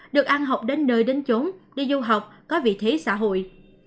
được ăn học đến nơi đến trốn đi du học có vị thế xã hội